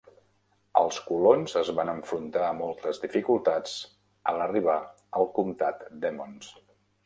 Els colons es van enfrontar a moltes dificultats a l'arribar al comtat d'Emmons.